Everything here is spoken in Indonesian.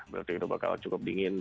berarti kita bakal cukup dingin